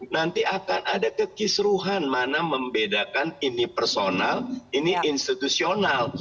nanti akan ada kekisruhan mana membedakan ini personal ini institusional